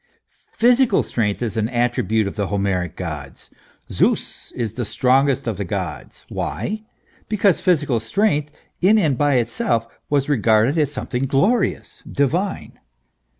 Physical strength is an attri bute of the Homeric gods : Zeus is the strongest of the gods. Why ? Because physical strength, in and by itself, was regarded as something glorious, divine.